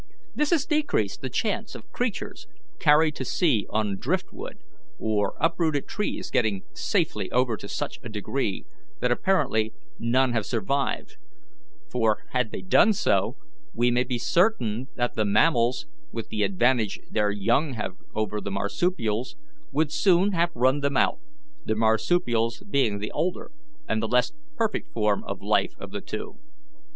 This has decreased the chance of creatures carried to sea on drift wood or uprooted trees getting safely over to such a degree that apparently none have survived; for, had they done so, we may be certain that the mammals, with the advantage their young have over the marsupials, would soon have run them out, the marsupials being the older and the less perfect form of life of the two."